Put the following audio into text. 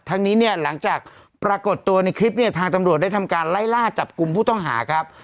ทั้งนี้เนี่ยหลังจากปรากฏตัวในคลิปเนี่ยทางตำรวจได้ทำการไล่ล่าจับกลุ่มผู้ต้องหาครับ